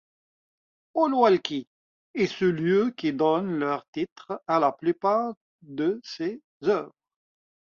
Ulwalki est ce lieu qui donne leur titre à la plupart de ses œuvres.